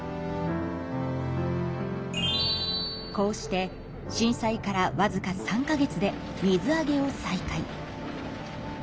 こうして震災からわずか３か月で水揚げを再開。